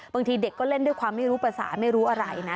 บางทีเด็กก็เล่นด้วยความไม่รู้ภาษาไม่รู้อะไรนะ